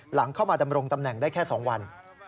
หลังเข้ามาดำรงตำแหน่งได้แค่๒วัน